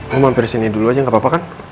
mau mampir sini dulu aja gak apa apa kan